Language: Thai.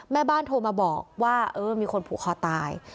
แม่บ้านโทรมาบอกว่าเออมีคนผูกคอตาย